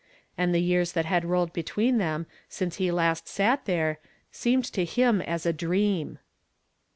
And the yours tluit had roHed hetweeii them since he hist sat there, seemed to liini as a dream.